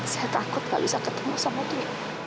saya takut gak bisa ketemu sama tuhan